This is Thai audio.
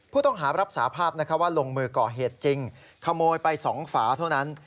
ผู้ต้องหารับสาภาพว่าลงมือก่อเหตุจริงขโมยไป๒ฝาเท่านั้น